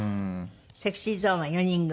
ＳｅｘｙＺｏｎｅは４人組？